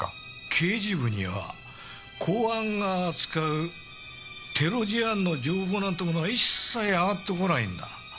刑事部には公安が使うテロ事案の情報なんてものは一切上がってこないんだ。